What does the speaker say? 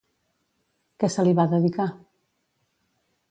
Què se li va dedicar?